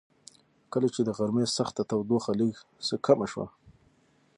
کله چې د غرمې سخته تودوخه لږ څه کمه شوه.